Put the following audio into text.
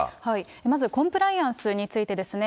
まずコンプライアンスについてですね。